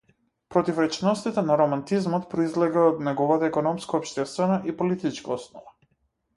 Противречностите на романтизмот произлегле од неговата економско-општествена и политичка основа.